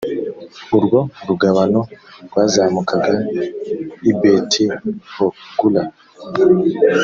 urwo rugabano rwazamukaga i betihogula